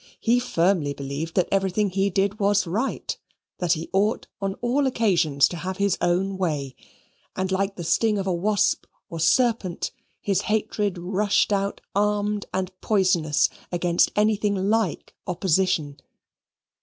He firmly believed that everything he did was right, that he ought on all occasions to have his own way and like the sting of a wasp or serpent his hatred rushed out armed and poisonous against anything like opposition.